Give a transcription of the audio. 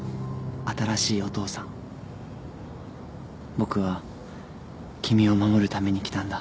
僕は君を守るために来たんだ。